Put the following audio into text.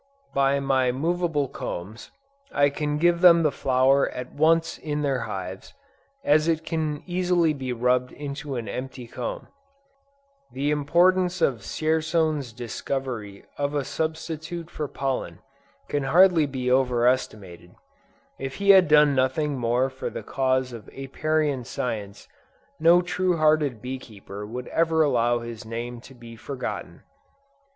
By my movable combs, I can give them the flour at once in their hives, as it can easily be rubbed into an empty comb. The importance of Dzierzon's discovers of a substitute for pollen, can hardly be over estimated. If he had done nothing more for the cause of Apiarian science, no true hearted bee keeper would ever allow his name to be forgotten.